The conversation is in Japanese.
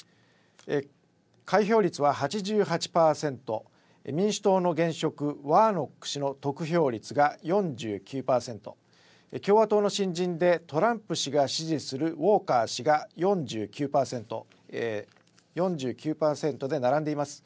開票率は８８％、民主党の現職、ワーノック氏の得票率が４９％、共和党の新人でトランプ氏が支持するウォーカー氏が４９％で並んでいます。